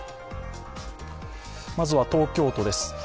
まずは東京都です。